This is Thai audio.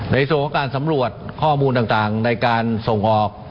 ในส่วนของการสำรวจข้อมูลต่างในการส่งออก